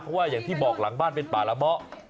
เพราะว่าอย่างที่บอกหลังบ้านเป็นป่าละเมาะ